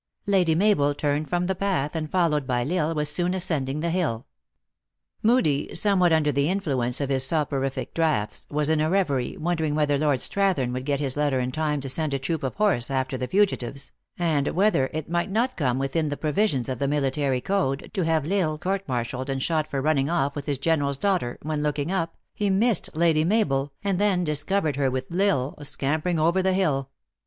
Lady Mabel turned from the path, and, followed by L Isle, was soon ascending the hill. Moodie, some what under the influence of his soporific draughts, was in a reverie, wondering whether Lord Strathern would get his letter in time to send a troop of horse after the fugitives, and whether it might not come within the provisions of the military code to have L Isle court martialed and shot for running off with his General s daughter, when, looking up, he missed Lady Mabel, and then discovered her with L Isle, scampering over the hill.